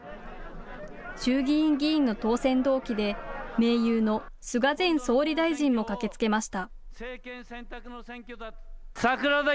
衆議院議員の当選同期で盟友の菅前総理大臣も駆けつけました。